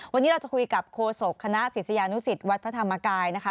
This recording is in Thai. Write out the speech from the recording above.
วันนี้เราจะคุยกับโคศกคณะศิษยานุสิตวัดพระธรรมกายนะคะ